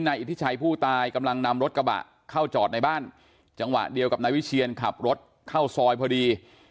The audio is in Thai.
นายอิทธิชัยผู้ตายกำลังนำรถกระบะเข้าจอดในบ้านจังหวะเดียวกับนายวิเชียนขับรถเข้าซอยพอดี